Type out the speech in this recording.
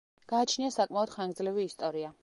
გააჩნია საკმაოდ ხანგრძლივი ისტორია.